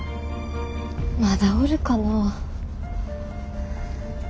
まだおるかなぁ。